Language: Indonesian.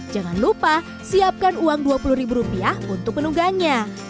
jangan lupa siapkan uang dua puluh ribu rupiah untuk menunggangnya